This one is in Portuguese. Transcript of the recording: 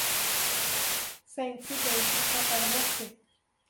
Sente-se e deixe-me tratar de você.